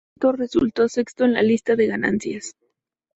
Por tanto, resultó sexto en la lista de ganancias.